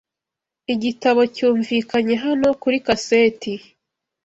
igitabo cyunvikanye hano kuri kaseti